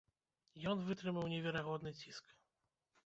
Ён вытрымаў неверагодны ціск.